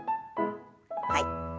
はい。